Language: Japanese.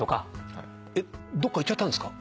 えっどっか行っちゃったんですか？